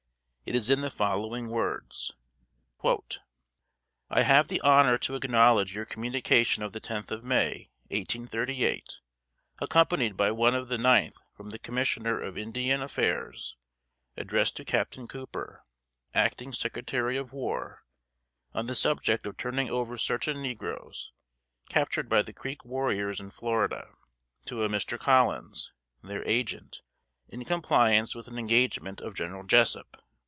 It is in the following words: "I have the honor to acknowledge your communication of the tenth of May, 1838, accompanied by one of the ninth from the Commissioner of Indian Affairs, addressed to Captain Cooper, Acting Secretary of War, on the subject of turning over certain negroes, captured by the Creek warriors in Florida, to a Mr. Collins, their agent, in compliance with an engagement of General Jessup.